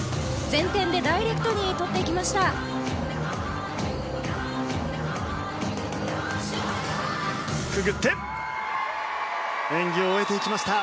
前転でダイレクトに取っていきました。